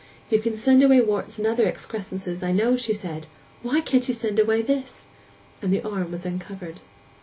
'You can send away warts and other excrescences I know,' she said; 'why can't you send away this?' And the arm was uncovered.